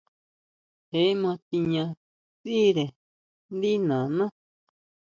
Je ma tiña sʼíre ndí nana.